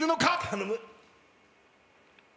頼む！